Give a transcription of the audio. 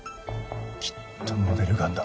きっとモデルガンだ。